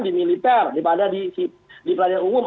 di militer di peradilan umum